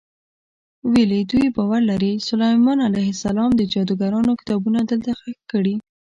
ویل یې دوی باور لري سلیمان علیه السلام د جادوګرانو کتابونه دلته ښخ کړي.